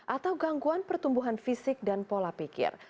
atau gangguan pertumbuhan fisik dan pola pikir